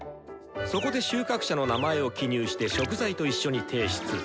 そこで収穫者の名前を記入して食材と一緒に提出。